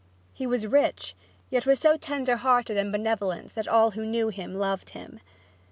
He was rich, yet was so tender hearted and benevolent that all who knew him loved him.